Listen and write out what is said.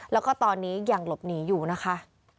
แล้วก็ตอนนี้ยังหลบหนีอยู่นะคะ